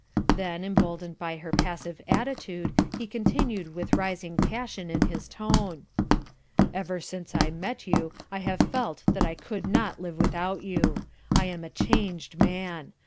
Then, emboldened by her passive attitude, he continued with rising passion in his tone. "Ever since I first met you I have felt that I could not live without you. I am a changed man.